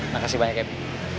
makasih banyak ya be